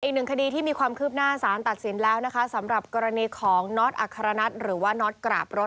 อีกหนึ่งคดีที่มีความคืบหน้าสารตัดสินแล้วนะคะสำหรับกรณีของน็อตอัครนัทหรือว่าน็อตกราบรถ